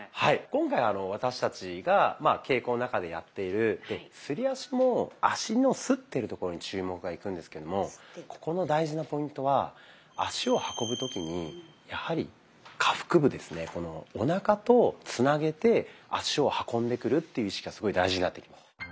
今回私たちが稽古の中でやっているすり足も足のすってるところに注目がいくんですけどもここの大事なポイントは足を運ぶ時にやはり下腹部ですねおなかとつなげて足を運んでくるっていう意識がすごい大事になってきます。